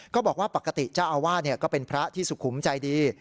บอกว่าปกติเจ้าอาวาสก็เป็นพระที่สุขุมใจดี